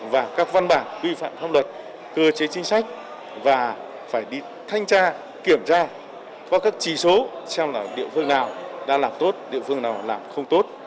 và các văn bản quy phạm pháp luật cơ chế chính sách và phải đi thanh tra kiểm tra có các chỉ số xem là địa phương nào đã làm tốt địa phương nào làm không tốt